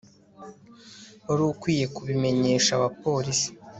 Wari ukwiye kubimenyesha abapolisi